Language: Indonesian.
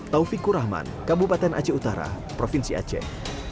taufik kurahman kabupaten aci utara provinsi aceh